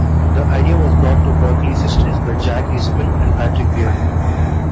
The idea was brought to Berkeley Systems by Jack Eastman and Patrick Beard.